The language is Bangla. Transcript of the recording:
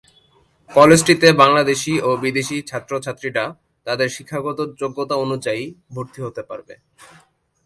কলেজটিতে বাংলাদেশি ও বিদেশী ছাত্র-ছাত্রীরা তাদের শিক্ষাগত যোগ্যতা অনুযায়ী ভর্তি হতে পারবে।